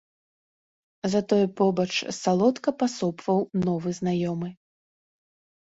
Затое побач салодка пасопваў новы знаёмы.